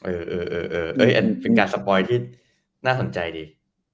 เออเออเออเออเป็นการสปอยที่น่าสนใจดี